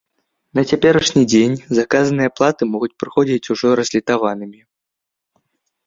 На цяперашні дзень заказаныя платы могуць прыходзіць ужо разлітаванымі.